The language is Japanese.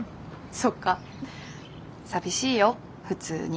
そっか寂しいよ普通に。